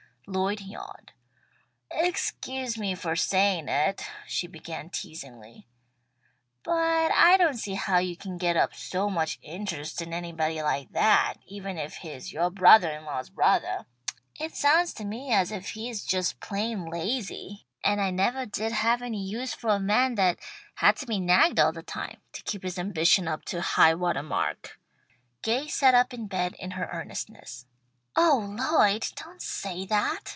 Lloyd yawned. "Excuse me for saying it," she began teasingly, "but I don't see how you can get up so much interest in anybody like that, even if he is yoah brothah in law's brothah. It sounds to me as if he is just plain lazy and I nevah did have any use for a man that had to be nagged all the time to keep his ambition up to high watah mark." Gay sat up in bed in her earnestness. "Oh Lloyd, don't say that!"